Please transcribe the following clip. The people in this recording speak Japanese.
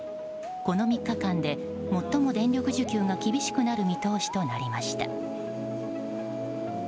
この３日間で最も電力需給が厳しくなる見通しとなりました。